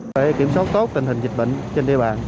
để kiểm soát tốt tình hình dịch bệnh trên địa bàn